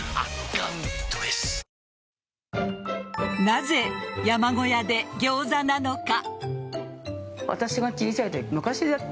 なぜ、山小屋でギョーザなのか。